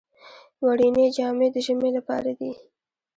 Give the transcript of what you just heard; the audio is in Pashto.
وړینې جامې د ژمي لپاره دي